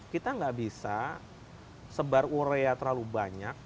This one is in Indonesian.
kita nggak bisa sebar urea terlalu banyak